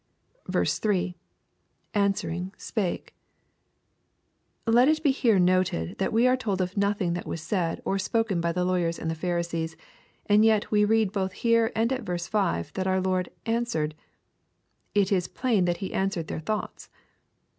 3 — [Answering spake.] Let it be here noted that we are told of nothing that was said, or spoken by the lawyers and Pharisees, and yet we read both here, and at verse 6, that our Lord " answered." It is plain that He answered their thoughts.